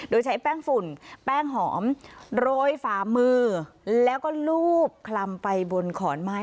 โดยใช้แป้งฝุ่นแป้งหอมโรยฝ่ามือแล้วก็ลูบคลำไปบนขอนไม้